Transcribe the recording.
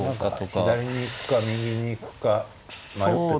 何か左に行くか右に行くか迷ってた？